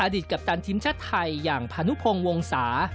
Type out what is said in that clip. อดีตกัปตันทีมชาติไทยอย่างพาณภงวงศา